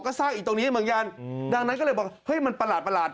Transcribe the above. ก็สร้างอีกตรงนี้เหมือนกันดังนั้นก็เลยบอกเฮ้ยมันประหลาด